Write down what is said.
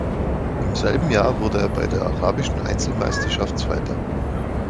Im selben Jahr wurde er bei der arabischen Einzelmeisterschaft Zweiter.